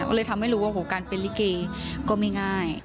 เพราะเลยทำให้รู้ว่าโหวการเป็นลิฟท์เก๋ก็ไม่ง่าย